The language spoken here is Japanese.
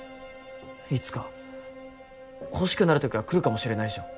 いつか欲しくなる時が来るかもしれないじゃん